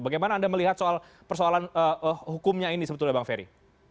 bagaimana anda melihat soal persoalan hukumnya ini sebetulnya bang ferry